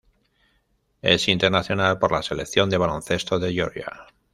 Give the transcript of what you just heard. Es internacional por la Selección de baloncesto de Georgia.